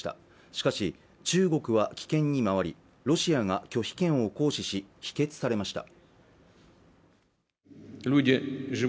しかし中国は棄権に回りロシアが拒否権を行使し否決されました